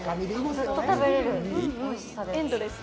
ずっと食べれるおいしさです。